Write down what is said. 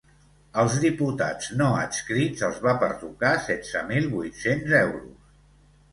Als diputats no adscrits els va pertocar setze mil vuit-cents euros.